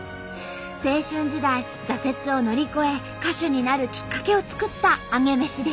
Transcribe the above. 青春時代挫折を乗り越え歌手になるきっかけを作ったアゲメシでした。